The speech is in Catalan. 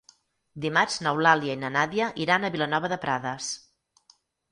Dimarts n'Eulàlia i na Nàdia iran a Vilanova de Prades.